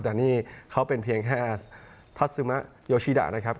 แต่นี่เขาเป็นเพียงแค่พัสซึมะโยชิดะนะครับ